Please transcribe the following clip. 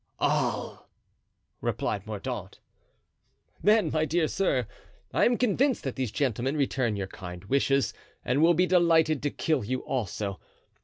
"All," replied Mordaunt. "Then, my dear sir; I am convinced that these gentlemen return your kind wishes and will be delighted to kill you also.